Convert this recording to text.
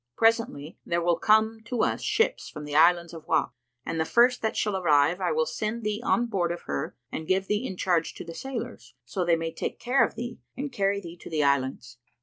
Presently there will come to us ships from the Islands of Wak and the first that shall arrive I will send thee on board of her and give thee in charge to the sailors, so they may take care of thee and carry thee to the Islands.